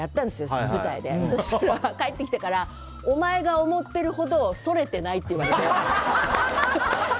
そうしたら帰ってきてからお前が思っているほど反れてないって言われて。